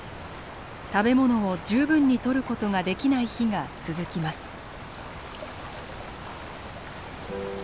食べ物を十分にとることができない日が続きます。